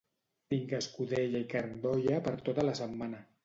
Tinc escudella i carn d'olla per tota la setmana